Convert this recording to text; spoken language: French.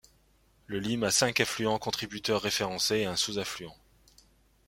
Le Limes a cinq affluents contributeurs référencés et un sous-affluent.